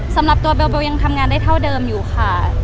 สำหรับตัวเบลยังทำงานได้เท่าเดิมอยู่ค่ะ